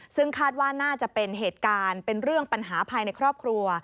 ซึ่งคาดว่าน่าจะเป็นเหตุการณ์เป็นเรื่องปัญหาภายในครอบครัว